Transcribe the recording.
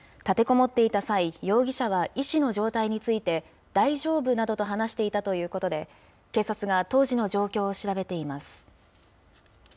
立てこもっていた際、容疑者は医師の状態について、大丈夫などと話していたということで、警察が当時の状況を調べています。